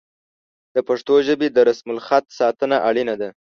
د پښتو ژبې د رسم الخط ساتنه اړینه ده.